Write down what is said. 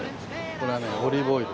これはねオリーブオイル。